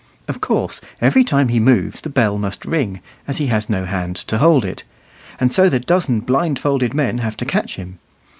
Of course every time he moves the bell must ring, as he has no hand to hold it; and so the dozen blindfolded men have to catch him.